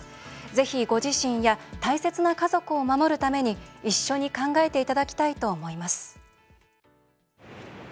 ぜひ、ご自身や大切な家族を守るために一緒に考えていただきたいと思います。